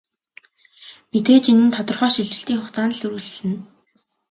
Мэдээж энэ нь тодорхой шилжилтийн хугацаанд л үргэлжилнэ.